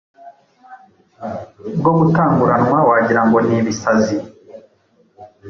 bwo gutanguranwa wagira ngo ni ibisazi.